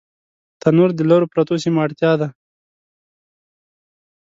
تنور د لرو پرتو سیمو اړتیا ده